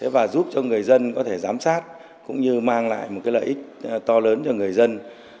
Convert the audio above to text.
và giúp cho người dân có thể giám sát cũng như mang lại một lợi ích to lớn cho người dân